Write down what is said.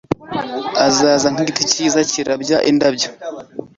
Azaza nkigiti cyiza kirabya indabyo